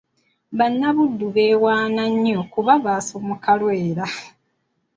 Bannabuddu beewaana nnyo kuba baasomoka Lwera.